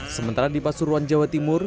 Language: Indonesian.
sementara di pasuruan jawa timur